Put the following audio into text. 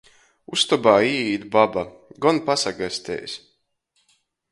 Ustobā īīt baba: Gon pasagasteis!